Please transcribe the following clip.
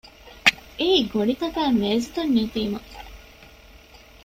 އެއީ ގޮނޑިތަކާއި މޭޒުތައް ނެތީމަ